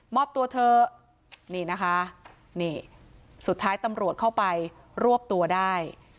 อบตัวเถอะนี่นะคะนี่สุดท้ายตำรวจเข้าไปรวบตัวได้